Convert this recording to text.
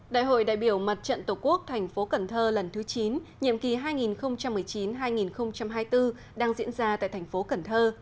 đại hội đại biểu mặt trận tổ quốc thành phố cần thơ lần thứ chín nhiệm kỳ hai nghìn một mươi chín hai nghìn hai mươi bốn đang diễn ra tại thành phố cần thơ